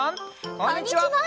こんにちは。